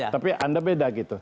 tapi anda beda gitu